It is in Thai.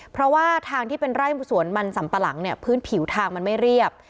เพราะว่าทางที่เป็นไร่สวนมันสัมปะหลังเนี่ยพื้นผิวทางมันไม่เรียบ